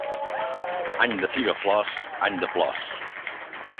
Any de figaflors, any de plors.